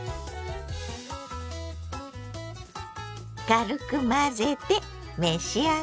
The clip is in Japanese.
軽く混ぜて召し上がれ。